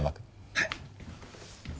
はい。